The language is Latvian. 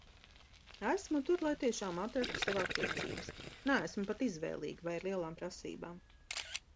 Esmu tur lai tiešām atrastu sev attiecības, neesmu pat izvēlīga vai ar lielām prasībām.